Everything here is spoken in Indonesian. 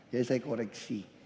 jadi saya koreksi